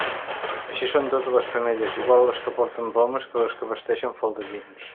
Així són totes les femelles, igual les que porten plomes que les que vesteixen faldellins.